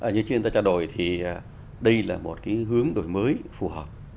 như trên ta trao đổi thì đây là một cái hướng đổi mới phù hợp